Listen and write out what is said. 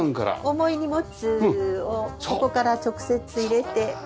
重い荷物をここから直接入れて。